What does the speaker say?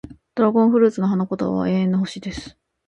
ドラゴンフルーツの花言葉は、永遠の星、です。